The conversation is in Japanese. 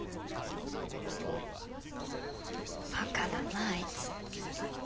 バカだなあいつ。